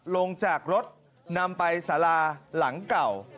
ลงจากรถนำไปสาราหลังเก่า